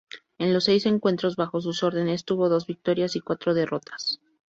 En los seis encuentros bajo sus órdenes tuvo dos victorias y cuatro derrotas.